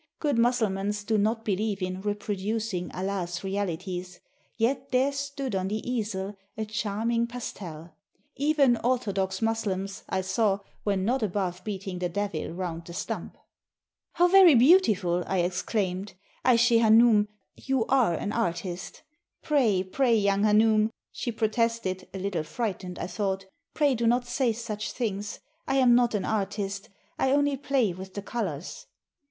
Good Mussulmans do not believe in "reproducing Al lah's realities"; yet there stood on the easel a 'charming pastel. Even orthodox Moslems, I saw, were not above beating the devil round the stump. 579 TURKEY " How very beautiful !" I exclaimed. " Aishe Hanoum, you are an artist." *'Pray! pray! young hanoum," she protested, a little frightened, I thought, "pray do not say such things. I am not an artist. I only play with the colors."